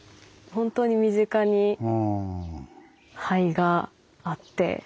本当に身近に灰があって。